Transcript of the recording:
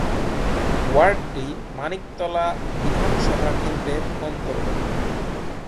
ওয়ার্ডটি মানিকতলা বিধানসভা কেন্দ্রের অন্তর্গত।